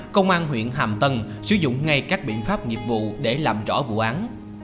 công an huyện hàm tân sử dụng ngay các biện pháp nghiệp vụ để làm rõ vụ án